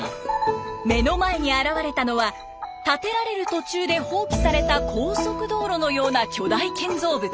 目の前に現れたのは建てられる途中で放棄された高速道路のような巨大建造物。